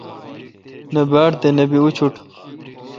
نہ باڑ تے نہ بی اوشٹ۔